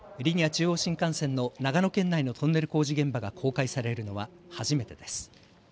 中央新幹線の長野県内のトンネル工事現場が公開されるのは初めてです。